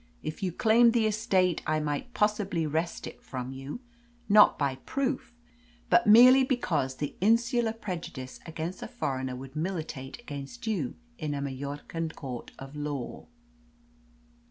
If you claimed the estate I might possibly wrest it from you not by proof, but merely because the insular prejudice against a foreigner would militate against you in a Majorcan court of law.